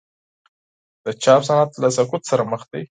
د چاپ صنعت له سقوط سره مخ دی؟